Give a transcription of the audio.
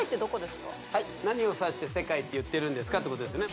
何を指して世界って言ってるんですかってことですね